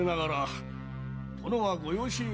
殿はご養子ゆえ